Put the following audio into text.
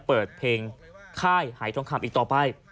เปิดเพลงค่ายหายทองคำอีกต่อไป